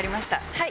はい！